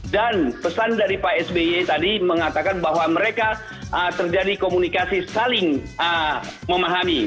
dan pesan dari pak sby tadi mengatakan bahwa mereka terjadi komunikasi saling memahami